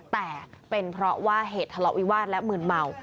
แต่เป็นเพราะว่าเหตุทะเลาะวิวาสและมืนเมา